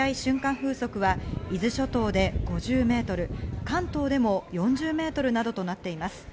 風速は伊豆諸島で５０メートル、関東でも４０メートルなどとなっています。